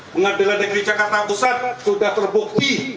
pengadilan negeri jakarta pusat sudah terbukti